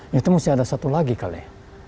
itu mesti ada satu lagi kali